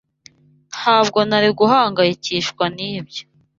Ntabwo nari guhangayikishwa nibyo.